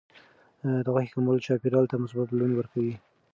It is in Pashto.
د غوښې کمول چاپیریال ته مثبت بدلون ورکوي.